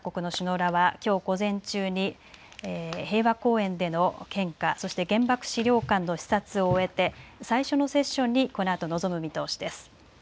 各国の首脳らはきょう午前中に平和公園での献花、そして原爆資料館の視察を終えて最初のセッションにこのあと臨む見通しです。